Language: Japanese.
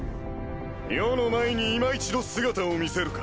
余の前にいま一度姿を見せるか。